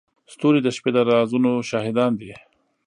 ستوري د شپې د رازونو شاهدان دي.